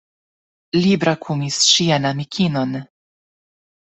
Li brakumis ŝian amikinon.